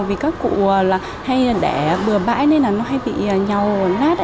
vì các cụ hay để bừa bãi nên nó hay bị nhau lát